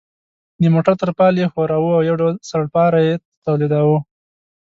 د موټر ترپال یې ښوراوه او یو ډول سړپاری یې تولیداوه.